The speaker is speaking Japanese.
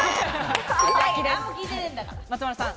松丸さん。